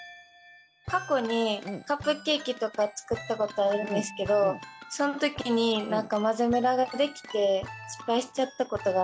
過去にカップケーキとか作ったことあるんですけどその時に何か混ぜムラができて失敗しちゃったことがあって。